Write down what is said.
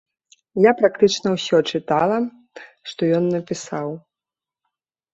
Я практычна ўсё чытала, што ён напісаў.